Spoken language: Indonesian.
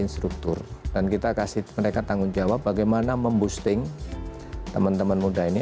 instruktur dan kita kasih mereka tanggung jawab bagaimana memboosting teman teman muda ini